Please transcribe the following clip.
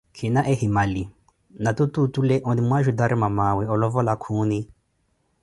Khina ehimali, natutu otule onimwaajutari mamaawe olovola khuuni